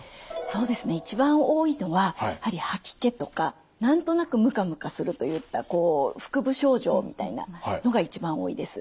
そうですね一番多いのはやはり吐き気とか何となくむかむかするといった腹部症状みたいなのが一番多いです。